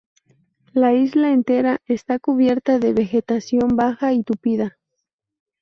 La isla entera está cubierta de vegetación baja y tupida.